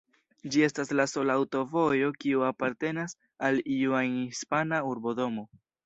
Ĝi estas la sola aŭtovojo kiu apartenas al iu ajn hispana urbodomo.